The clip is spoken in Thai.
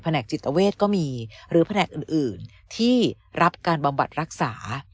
จิตเวทก็มีหรือแผนกอื่นที่รับการบำบัดรักษา